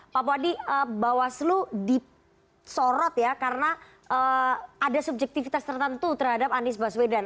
pak puadi bawaslu disorot ya karena ada subjektivitas tertentu terhadap anies baswedan